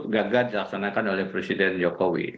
gagal dilaksanakan oleh presiden jokowi